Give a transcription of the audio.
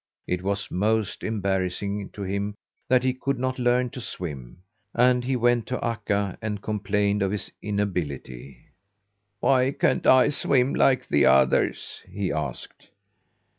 It was most embarrassing to him that he could not learn to swim, and he went to Akka and complained of his inability. "Why can't I swim like the others?" he asked.